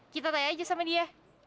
kita tanya aja sama dia